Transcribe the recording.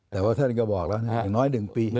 แต่ว่าท่านก็บอกแล้วอย่างน้อย๑ปี